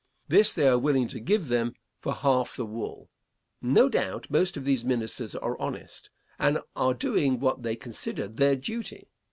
This they are willing to give them for half the wool. No doubt, most of these minsters are honest, and are doing what they consider their duty.